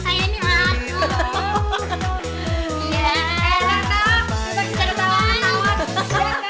kalau gak sih saya ini